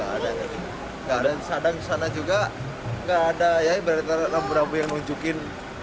gak ada gak ada sadang sana juga gak ada ya ibaratnya labu labu yang munjukin